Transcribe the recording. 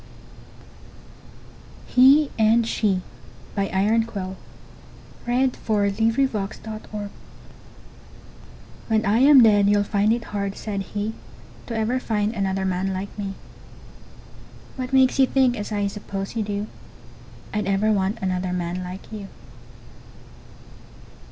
HE AND SHE BY IRONQUILL When I am dead you'll find it hard, Said he, To ever find another man Like me. What makes you think, as I suppose You do, I'd ever want another man Like you?